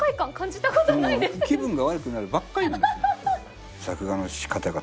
気分が悪くなるばっかりなんです。